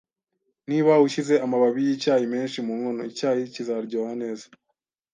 Niba ushyize amababi yicyayi menshi mu nkono, icyayi kizaryoha neza